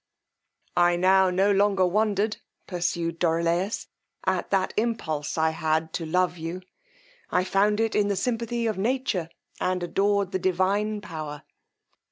I now no longer wondered, pursued Dorilaus, at that impulse I had to love you; I found it the simpathy of nature, and adored the divine power.